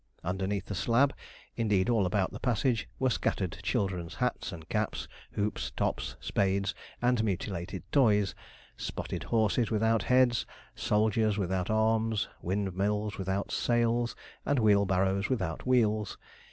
Underneath the slab, indeed all about the passage, were scattered children's hats and caps, hoops, tops, spades, and mutilated toys spotted horses without heads, soldiers without arms, windmills without sails, and wheelbarrows without wheels.